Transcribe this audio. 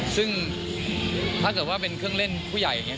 ซึ่งถ้าเกิดว่าเป็นเครื่องเล่นผู้ใหญ่อย่างนี้